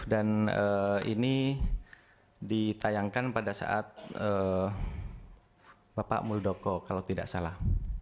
dan ini ditayangkan pada saat bapak muldoko kalau tidak salah